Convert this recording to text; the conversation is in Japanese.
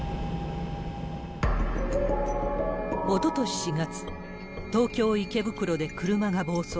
おととし４月、東京・池袋で車が暴走。